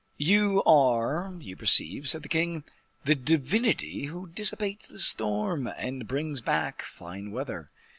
"You are, you perceive," said the king, "the divinity who dissipates the storm, and brings back fine weather."